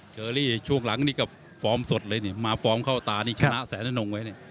เชอรี่ช่วงหลังนี่ก็ฟอร์มสดเลยนี่มาฟอร์มเข้าตานี่ชนะแสนอนงไว้เนี่ย